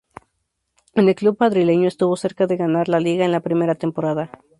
En el club madrileño estuvo cerca de ganar la Liga en la primera temporada.